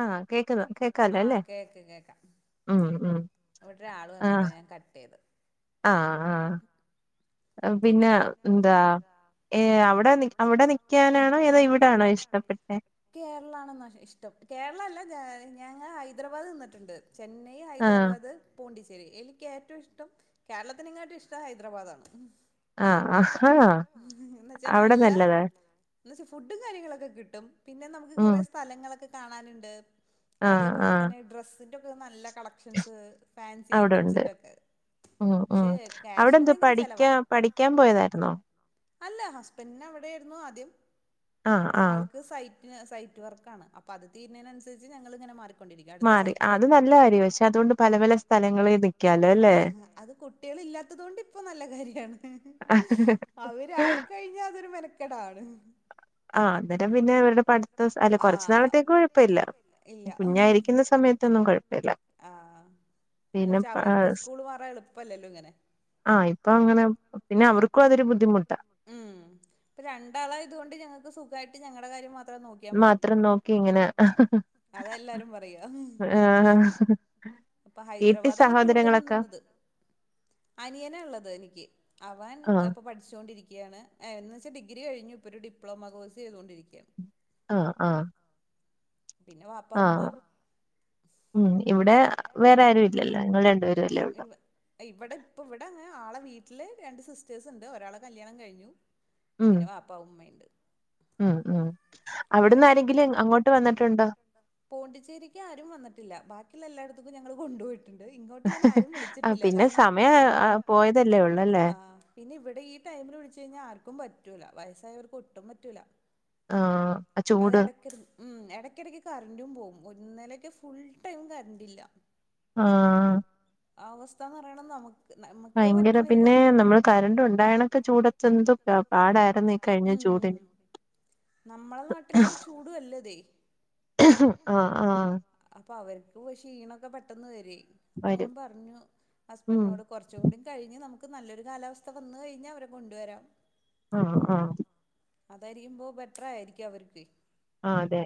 ആ കേക്കത ആഹ കേക്ക് കേക്കാം ഇവിടെരാള് വന്ന അതാ ഞാൻ കട്ട് ചെയ്ത് ആ ആ പിന്നെ എന്താ ഏ അവിടെ നി അവിടെ നിക്കാനാണോ ഏതാ ഇവിടാണോ ഇഷ്ടപ്പെട്ടെ ഞങ്ങ ഹൈദരാബാദ് നിന്നിട്ടുണ്ട് ചെന്നൈ ഹൈദരാബാദ് പോണ്ടിചാരി ശരി എനിക്ക് ഏറ്റവും ഇഷ്ടം കേരളത്തിന് ഇങ്ങാട്ടും ഇഷ്ടം ഹൈദരാബാദ് ആണ് ആ ആ അഹാ അവിടെ നല്ലത് എന്ന് വെച്ചാ ഫുഡും കാര്യങ്ങളൊക്കെ കിട്ടും പിന്നെ നമുക്ക് കുറേ സ്ഥലങ്ങളൊക്കെ കാണാനുണ്ട് അതേപോലെ തന്നെ ഡ്രസ് അതിന്റൊക്കെ നല്ല [unintelligible] അവിടെ ഉണ്ട് മ് മ് അവിടെന്ത് പഠിക്കാ പഠിക്കാൻ പോയതായിരുന്നോ അല്ല ഹസ്ബന്റിന് അവിടെ രുന്നു ആദ്യം ആൾക്ക് സൈറ്റ് സൈറ്റ് വർക്കാണ് അപ്പൊ അത് തീരുണതിനു അനുസരിച്ചു ഞങ്ങൾ ഇങ്ങനെ മാറി മാറി അത് നല്ല കാര്യവാ പക്ഷെ അതുകൊണ്ട് പല പല സ്ഥലങ്ങളിൽ നിക്കാലോ അല്ലേ കുട്ടികൾ ഇല്ലാത്തതുകൊണ്ട് ഇപ്പോൾ നല്ല കാര്യമാണ് അവരായിക്കഴിഞ്ഞ അതൊരു മെനക്ക അവിടെ നിന്ന് ആഹ അന്നേരം പിന്നെ അവരുടെ പഠത്ത അല്ലെ കുറച്ചനാളത്തേക്ക് കുഴപ്പമില്ല കുഞ്ഞായിരിക്കുന്ന സമയത്തൊന്നും കുഴപ്പമില്ല പിന്നെ ആഹ ഇപ്പൊ അങ്ങനെ പിന്നെ അവർക്കും അതൊരു ബുദ്ധിമുട്ടാ രണ്ടാളാതയ് കൊണ്ട് ഞങ്ങക്ക് സുഖമായിട്ട് ഞങ്ങള കാര്യ മാത്രം നോക്കിയാ മതി അതെല്ലാരും പറയും പ്പ ഹൈദരാബാദാണ് കൂടുതലും നിന്നത് അനിയനള്ളത് എനിക്ക് അവൻ പ്പം പഠിച്ചണ്ടിരിക്ക [unintelligible] എന്ന് വെച്ചാ ഡിഗ്ര ഡിഗ്രി കിഴിഞ്ഞ് ഇപ്പ ഒരു ഡിപ്ലോമാ കോഴ്സ് ചെയ്തൊണ്ടിരിക്കയാണ് ആഹ ആഹ ആഹ ഉം ഇവിടെ വേറെ ആരും ഇല്ലല്ലോ ഞ്ഞങ്ങൾ രണ്ടുപേര അല്ലേ ഒള്ളു വീട്ടില് രണ്ട് സിസ്റ്റേഴസ് ഉണ്ട് ഒരാളെ കല്യാണം കഴിഞ്ഞു പിന്നെ വാപ്പാ ഉമ്മയുണ്ട് പോണ്ടിച്ചേരിക്ക് ആരും വന്നിട്ടില്ല ബാക്കിയുള്ള എല്ലായിടത്തും അത് ഞങ്ങള് കൊണ്ടോഴി ഹ് ഹ് ആ പിന്നെ സമയം അ പോയതല്ലേ ഉള്ളല്ലേ ഈ ടൈമിൽ വിളിച് കഴിഞ്ഞാൽ ആർക്കും പറ്റും പറ്റൂല വയസ്സായവർക്ക് ഒട്ടും പറ്റൂല അത്അടക്കരുത് ഉം ഇടക്കിടക്ക് കറന്റും പോകും ഇന്നലൊക്കെ ഫുൾ ടൈം കറണ്ടില്ല ആഹ അവസ്ഥ ന്ന് പറയണനമുക്ക് ഭയങ്കര പിന്നെ നമ്മള് കരണ്ട് ഉണ്ടായണൊക്കെ ചൂടത്ത് എന്തൊക്കെ പാടായിരുന്നു ഈ കഴിഞ്ഞ ചൂട്. നമ്മളെ നാട്ടില് ചൂടു അല്ലത് അവർക്ക് ക്ഷീണൊക്കെ പെട്ടെന്ന് വരെ പ്പം ഞാൻ പറഞ്ഞു ഹസ്ബൻഡിനോട് കുറച്ചും കൂടി കഴിഞ്ഞ് നമുക്ക് നല്ലൊരു കാലാവസ്ഥ വന്നു കഴിഞ്ഞാൽ അവരെ കൊണ്ടുവരാം ആഹ് ആഹ് അതെരിയുമ്പോ എത്രായിരിക്കും അവർക്ക് ആ അതെ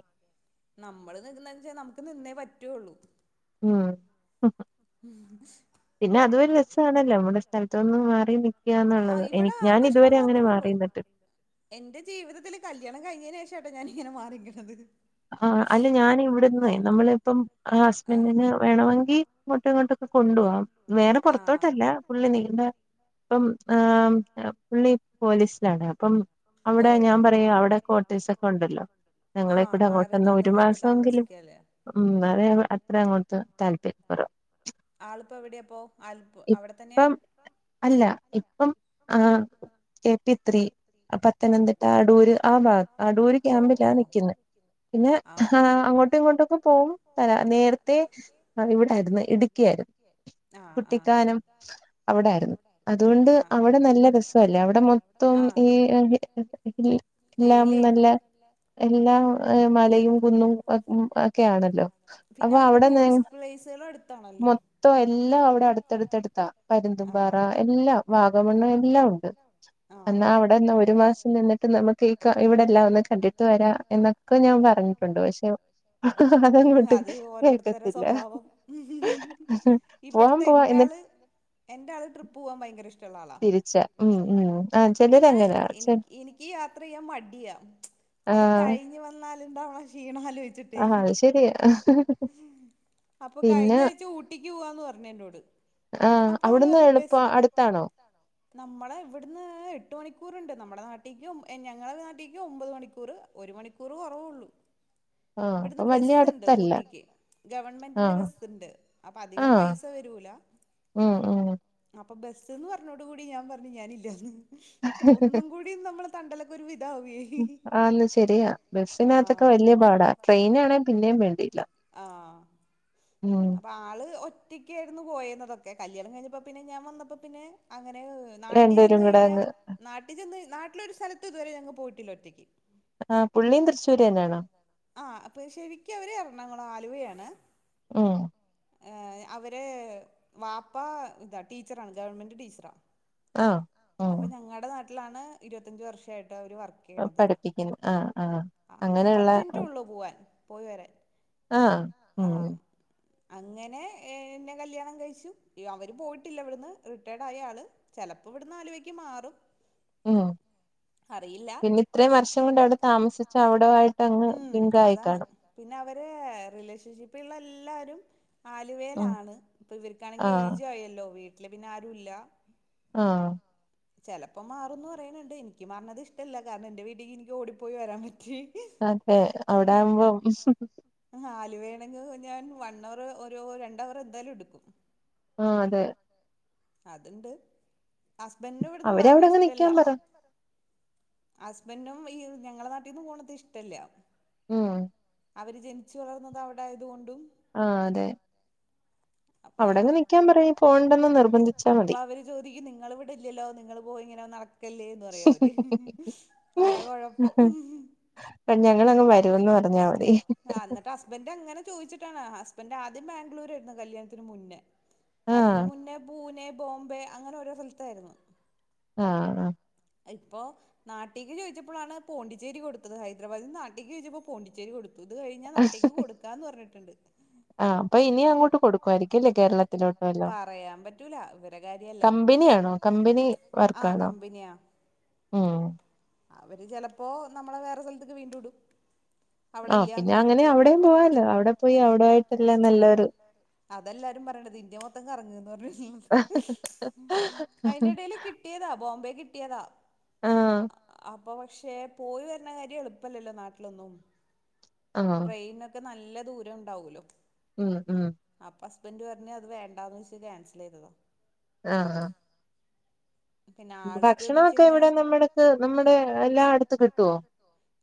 നമ്മള് നിന്നങ്ക് ചെ നമുക്ക് നിന്നേ പറ്റുള്ളൂ ഉംമ് ഹ് ഹ പിന്നെ അതൊരു രസമാണല്ലോ നമ്മുടെ സ്ഥലത്തൊന്ന് മാറി നി ആ ഇവിടെ ആ പ്രശ്നം മാത്രേ ഉള്ളൂ എന്റെ ജീവിതത്തില് കല്യാണം കഴിഞ്ഞെനെഷം ട്ടോ ഞാനിങ്ങനെ മാറിക്ക്ന്നത് ആ അല്ല ഞാനിവിടന്നെ നമ്മളിപ്പം ആ ഹസ്ബന്റിന് വേണമെങ്കി ങ്ങോട്ടും ഇങ്ങോട്ടൊക്കെ കൊണ്ടു പോവും വേറെ പൊറത്തോട്ടല്ല പുള്ളി നിക്കുന്നത് ഇപ്പം പുള്ളി പോലീസിലാണ്. പ്പം അവിടെ ഞാൻ പറയ അവിടെ ക്വാർട്ടേസൊക്കെണ്ടല്ലൊ ഞങ്ങളെ അങ്ങോട്ടന്ന ഒരു മാസങ്കിലും ഉം [unintelligible] അത്ര അങ്ങോട്ട് താല്പര്യ കുറവാ ആളിപ്പ എവിടെയാപ്പോ ആലപ്പു അവിടെ തന്നെയാ. ഇപ്പം അ K P three Pathanamthitta Adoor ആ ഭാഗ അടൂര് ക്യാമ്പിലാ നിക്ക്ന്നെ പിന്നെ ആ അങ്ങോട്ടു ഇങ്ങോട്ടുക്കെ പോകും നേരത്തെ ഇവിടാരുന്നു ഇടുക്കി ആരുന്നു കുട്ടിക്കാനം അവിടാരുന്നു അതുകൊണ്ട് അവിടെ നല്ല രസല്ലേ അവിടെ- അവിടെ മൊത്തം ഈ എല്ലാം നല്ല എല്ലാം മലയും കുന്നും മ് ഒക്കെയ ആണല്ലോ അപ്പൊ അവിടെ നേ മൊത്തം എല്ലാ അവിടെ അടുത്തടുത്തടുത്താ പരുന്തും പാറ എല്ലാം വാഗമണ്ണും എല്ലാം ഉണ്ട് എന്നാ അവിടെന്ന് ഒരു മാസം നിന്നിട്ട് നമുക്ക് ഈ ഇവിടെല്ലാം ഒന്ന് കണ്ടിട്ട് വരാ എന്നൊക്ക - [unintelligible] അത് ഓരോരുത്തെര സ്വഭാവം ഹ്ഹ് ഇവ്ടത്തെ എന്റാള് എന്റാള് ട്രിപ്പ് പോകൻ ഭയങ്കര ഇഷ്ട യുള്ള ആളാണ് എന്നാ എനി എനിക്ക് യാത്ര ചെയ്യാൻ മടിയാ അത് കഴിഞ് [unintelligible] ണാലോചിച്ചിട്ട് അപ്പൊ കയിഞ്ഞായ്ച ഊട്ടിക്ക് പോവാന്ന് പറഞ്ഞു എന്നോട് അപ്പൊ ആള് പറഞ്ഞ് ബ [unintelligible] നമ്മളെ ഇവിടുന്ന് എട്ട് മണിക്കൂർണ്ട് നമ്മുടെ നാട്ടിക്ക് ഞങ്ങട നാട്ടിക്ക് ഒമ്പത് മണിക്കൂർ ഒരു മണിക്കൂറ് കൊറവുള്ളു ഇവിടുന്ന് ബസ്സ്ണ്ട് ഊട്ടിക്ക് ഗവൺമെന്റിന്റെ ബസ്ണ്ട് അപ്പൊ അധികം പൈസ വരൂല അപ്പ ബസ്ന്ന് [unintelligible] ട് കൂടി ഞാൻ പറഞ്ഞ് ഞാനില്ലാന്ന് ഒന്നും കൂടി നമ്മള് [unintelligible] ഉം ആന്ന് ശെരിയാ ബസ്സിനാത്തക്കെ വല്യ പാടാ ട്രെയിനാണേ പിന്നെം വേണ്ടില്ല പ്പ ആള് ഒറ്റക്കായിരുന്നു പോയന്നതൊക്കെ കല്യാണം കയിഞ്ഞപ്പോ പിന്നെ ഞാൻ വന്നപ്പോ പിന്നെ അങ്ങനെ നാട്ടിചെന്ന് കയിഞ്ഞ നാട്ടി ചെന്ന് നാട്ടിലൊരു സ്ഥലത്തുതുവരെ പോയിട്ടില ഒറ്റയ്ക്ക് ആ പുള്ളിയൻ തൃശ്ശൂര് തന്നെണോ ആഹ് അപ്പൊ ശെരിക്ക് അവർ എറണാംകുളം ആലുവയാണ് ഉ ഏ അവര് വാപ്പാ ഇതാ ടീച്ചറാണ് ഗവൺമെന്റ് ടീച്ചറാ ആ ആ ലാണ് ഇരുപത്തഞ്ച് വർഷായി അവർ വർക്ക് ചെയ്യണത് ആ അങ്ങ പത്ത്മിനട്ടൊള്ളു പോവാൻ പോയിവരാൻ ആ ഉം അങ്ങനെ യെന്നെ കല്യാണം കഴിച്ചു അവര് പോയിട്ടില്ല ഇവിട്ന്ന് റിട്ടയേഡായി ആള് ചെിലപ്പോ ഇവിട് ന്ന് ആലുവക്ക് മാറും ഉം പിന്നെ ഇത്രയും വർഷം കൊണ്ട് അവിടെ താമസിച്ച അവിടെ ആയിട്ടങ്ങു ലിങ്കായിക്കാണും ഏ റിലേഷൻഷിപ്പിള്ള എല്ലാരും രും ആലുവേല് ആണ് ഇപ്പോ ഇവർക്കാണെങ്കിൽ എയ്ജു ആയല്ലോ വീ ട്ടില് പിന്നെ ആരുല്ലാ ആ ചെലപ്പം മാറുംന്നു പറയണണ്ട് എനിക്ക് മാറണത് ഇഷ്ടല്ല കാരണം എന്റെ വീട്ടീ ക്ക് എനിക്ക് ഓടിപ്പോയി വരാൻ പ അതെ അവിടെ ആകുമ്പം വേണെങ്കി ഞാൻ വൻ വണ്ണവർ ഒരു രണ്ടവർ എന്തായാലും ഇ ട്ക്കും ആ അതെ അത്ണ്ട് ഹസ്ബന്റൻ ഇവിട്ന്ന് മാർണ ഇഷ്ടല്ല ഹസ്ബൻഡും ഈ ഞങ്ങളെ നാട്ടീന്ന് പോണത് ഇഷ്ടല്ല ഉം അവർ ജനിച്ചു വളർന്നത് അവടെ ആയതുകൊണ്ടും ആഹ് അതെ അവിടെങ്ങ് നിക്കാൻ പറയ് പോണ്ടന്ന് അപ്പൊ അവര് ചോദിക്കും നിങ്ങള് ഇവിടെ ഇല്ലല്ലോ നിങ്ങള് പോയി ഇങ്ങനെ ഞങ്ങളങ്ങ് വരൂന്ന് പറഞ്ഞാൽ മതി ആ എന്നിട്ട് ഹസ്ബന്റ് അങ്ങനെ ചോദിച്ചിട്ടാണ് ഹസ്ബന്റ് ആ ആദ്യം ബാംഗ്ലൂർ ആയിരുന്നു കല്യാണത്തിന് മുന്നേ അതിന്റെ മുന്നേ പൂനെ ബോംബെ അങ്ങനെ ഓരോ സ്ഥലത്തായിരുന്നു ആഹ് അ ഇപ്പോ നാട്ടീക്ക് ചോദിച്ചപ്പോളാണ് പോണ്ടിച്ചേരി കൊടുത്തത് ഹൈദരാബാദിൽ നാട്ടീക്ക് ചോദിച്ചപ്പോ പോണ്ടിച്ചേരി കൊടുത്തു ഇത് കഴിഞ്ഞാൽ നാട്ടീക്ക് കൊടുക്കാന്ന് പറഞ്ഞിട്ടുണ്ട് ആ അപ്പൊ ഇനി അങ്ങോട്ട് കൊടുക്കുമായിരിക്കുംല്ലേ കേരളത്തിലോട്ടു വല്ലോ കമ്പനിയാണോ കമ്പനി വർക്കാണോ ഉം അവര് ചിലപ്പോ നമ്മളെ വേറെ സ്ഥലത്തേക്ക് വീണ്ടും ഇടും അവിടെ ഇല്ലന്ന് പറഞ്ഞിട്ട് അതെല്ലാരും പറയത് ഇന്ത്യ മൊത്തം കറങ്ങാന്ന് പറഞ്ഞ അതിന്റെ ഇടെൽ കിട്ടിയതാ ബോംബെ കിട്ടിയതാ ആഹ് അപ്പൊ പക്ഷെ പോയി വരണ കാര്യം എളുപ്പമല്ലല്ലോ നാട്ടിലൊന്നും ട്രെയിനക്കെ നല്ല നല്ല ദൂരം ഉണ്ടാവുല്ലോ ഉം ഉം ഫ്രണ്ട് പറഞ്ഞ് അത് വേണ്ടാന്ന് വെച്ച് കാൻസൽ ചെയ്തതാ ആഹ് പിന്നെ ആൾക്ക്ന്ന് വച്ച് കഴിഞ്ഞാ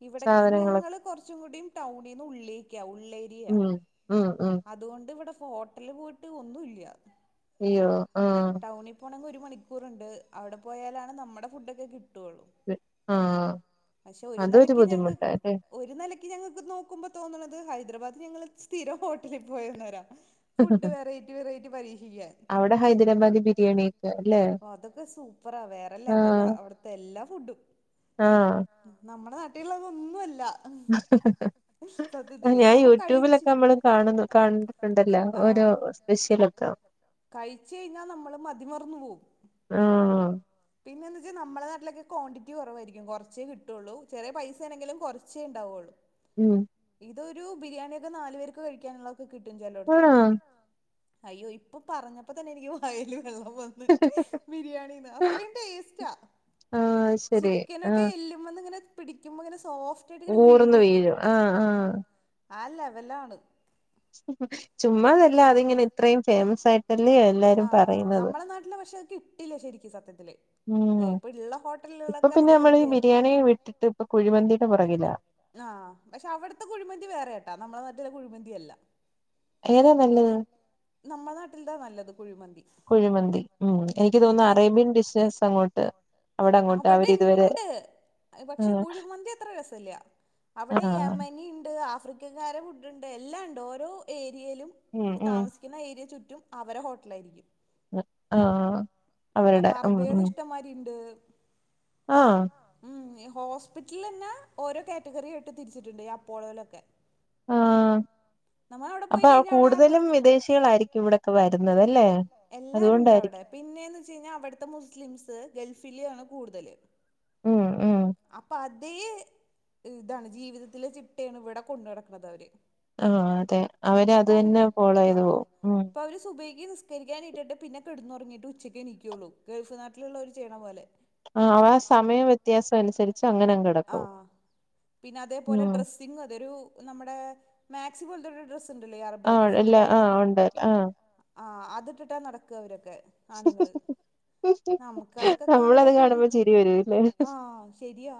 ഇവിട ഞങ്ങള് കൊറച്ചും കൂടി ടൗണ്ന്ന് ഉള്ളേക്ക ഉള്ളേരിയയാ അതുകൊണ്ട് ഇവിടെ ഇപ്പ ഹോട്ടല് പോയിട്ട് ഒന്നുമില്ല ഇയ്യോ ടൗണിൽ പോണെങ്കിൽ ഒരു മണിക്കൂർണ്ട് അവിടെ പോയാലാണ് നമ്മുടെ ഫുഡ് ഒക്കെ കിട്ടു ആഹ് അത് ഒരു ബുദ്ധിമുട്ടാലെ ഇത് ഞങ്ങൾക്ക് നോക്കുമ്പോ തോന്നുന്നത് ഹൈദരാബാദിൽ ഞങ്ങള് സ്ഥിരം ഹോട്ടലിൽ പോയിരു ന്നോരാ ഫുഡ് വെറൈറ്റി വെറൈറ്റി പരീക്ഷിക്കാൻ ദരാബാദി ബിരിയാണിക്കെ അല്ലേ ആഹ് എല്ലാ ഫുഡും നമ്മുടെ നാ കുട്ടികൾഅത് ഒന്നും അല്ല ഞാൻ യൂട്യൂബിലൊക്കെ നമ്മള് കാണു കാണണ്ടിട്ടുണ്ടല്ലോ ഓരോ സ്പെഷ്യലൊക്കെ കഴിഞ്ഞൽ നമ്മള് മതിമറന്നു പോവും പിന്നെ എന്ന് വെച്ചാൽ നമ്മുടെ നാട്ടിലൊക്കെ ക്വാണ്ടിറ്റി കുറവായിരിക്കും കുറച്ചേ കിട്ടുള്ളൂ ചെറിയ പൈസേെങ്കിലും കുറച്ചേ ഉണ്ടാവുള്ളൂ മ്മ് ഇതൊരു ബിരിയാണിയൊക്കെ നാല് പേർക്ക് കഴിക്കാനുള്ള ഒക്കെ കിട്ടും ചിലോടത്ത് ആണോ അയ്യോ ഇപ്പൊ പറഞ്ഞപ്പോ തന്നെ എനിക്ക് വായില് വെളളം വന്ന് ബിരിയാണിന്ന അത്രയും ടേസ്റ്റാ ചിക്കനൊക്കെ എല്ലുമ്മേന്ന് ഇങ്ങനെ പിടിക്കുമ്പോ ഇങ്ങനെ ഊർന്ന് വീഴും ആഹ് ആഹ് ആ ലെവലാണ്. ചുമ്മാത ആ നമ്മളെ നാട്ടില് പക്ഷെ കിട്ടില്ല ശെരിക്കും സത്യത്തില് ഇപ്പ ഉള്ള ഹോട്ടലുകളൊക്കെ അത് വെറുതെയ ആ പക്ഷെ അവിടുത്തെ കുഴിമന്തി വേറെ കേട്ടാ നമ്മളെ നാട്ടിലെ കുഴിമന്തി ഇയല്ല നമ്മുടെ നാട്ടിലതാ നല്ലത് കുഴിമന്തി അവിടെണ്ട് പക്ഷെ കുഴിമന്തി അത്ര രസല്ല അവിടെ യമനിണ്ട് ആഫ്രി മിക്കക്കാരെ ഫുഡുണ്ട് എല്ലാം ഉണ്ട് ഓരോ ഏരിയയിലും താമസിക്കണ ഏരിയ ചുറ്റു മറ്റും അവരെ ഹോട്ടല ആയിരിക്കും. ആ അവരുടെ ഉം ഉ ആ ഉ ഹോസ്പിറ്റല തന്നെ ഓരോ കാറ്റഗറിയിട്ട് തിരിച്ചിട്ടുണ്ട്ഈ അപ്പോളോയിലൊക്കെ ആ നമ്മ അവിടെ പോയി കഴിഞ്ഞവിടെ എല്ലാരുംണ്ട് അവിടെ പിന്നെന്ന് വെച്ച കഴിഞ്ഞാൽ അവിടുത്തെ മുസ്ലിംസ് ഗൾഫില് കൂടുതല് അപ്പൊ അ അതേ ഇതാണ് ജീവിതത്തിലെ ചിട്ടയാണ് ഇവിടെ കൊണ്ട നടക്കണുന്നത് അവര് ആ അതെ അവര് അത് തന്നെ ഫോളോ ചെയ്തു പോകും ഉം നിസ്കരിക്കാനട്ടിട്ട് പിന്നെ കിടുറങ്ങിട്ട് ഉച്ചക്കക്ക് എണികുള്ളൂ ഗൾഫ്‌ നാട്ടിലുള്ളള്ളവര് ചെയേണ പോലെ ആ ആ പിന്നെ അതേപോലെ ഡ്രസ്സിഗ് അതെ നമ്മുടെ- മക്സി പോലത്തൊരു ഡ്രസ്സ്‌ - ആല്ല ആ ഉണ്ട്ല്ല ആ ആ അതിട്ടിട്ടാ നടക്കും അവരൊക്കെ- ആണുങ്ങള് നമുക്ക്തൊക്കെ കാണുമ്പോ പെൺ ആ ശരിയാ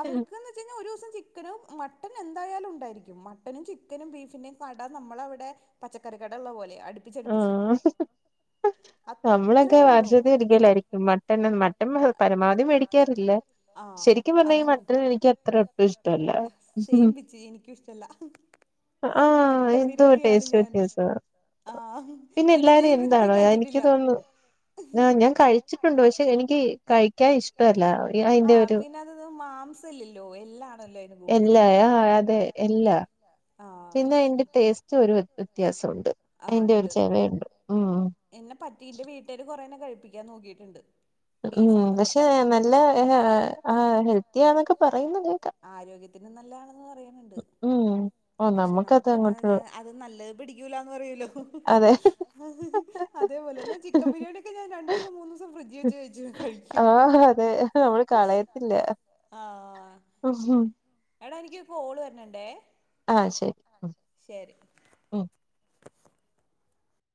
അവർക്ക്ന്ന് വെച്ചഴിഞ്ഞാ ഒരു ദിവസം ചിക്കനും മ എന്തായാലും ഉണ്ടായിരിക്കും മട്ടനും ചിക്കനും ബീഫിന്റെ കട നമ്മളവിടെ പച്ചക്കറ കട ഉള്ള പോലെയ ആ നമ്മളക്കെ വർഷത്തിലോരികലായിരിക്കും മട്ടൺ മട്ടൻ പരമാവധി മേടിക്കാറില്ല ശരിക്കും പറഞ്ഞാ മട്ടൻ എനിക്ക് അത്ര ഒട്ടും ഇഷ്ടമല്ല സേയിംമ്പിച് എനിക്കും ഇഷ്ടല്ല മട്ടം വിരോധിയാണ് ഞാനും ആ പിന്നെ എല്ലാരും എന്താണോ എനിക്ക് തോന്നുന്നു ഞാൻ കഴിച്ചിട്ടുണ്ട് പക്ഷെ എനിക്ക് കഴിക്കാൻ ഇഷ്ടമല്ല അയിന്റെ ഒരു എല്ലായ ആ അതെ എല്ല പിന്നെ അതിന്റെ ടേസ്റ്റ് ഒരു വ്യത്യാസംുണ്ട ആഉണ്ട് എന്നെ പറ്റിന്റെ വീട്ടര് കൊറെ കഴപ്പിക്കാൻ നോക്കിയിട്ടുണ്ട് ഉം പക്ഷേ നല്ല് ഹെൽത്തി ആൊക്കെ പറയുന്ന കേക്കാ അും നല്ലണ് പക്ഷെ നമ്മുക്കാ അത് നല്ലത് പിടിക്കൂലന്ന് പറല്ലോ അതേപോലെ ചിക്കൻ ബിരിയാണിയക്കെ ഞാൻ രണ്ട ദിവസം മൂന്ന ദിവസം ഫ്രിഡ്ജിൽ വച്ച കഴിക്കും ആ [unintelligible] എടാ എനിക്ക് കോള് വരണണ്ടെ ആഹ് ശരി